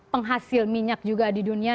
penghasil minyak juga di dunia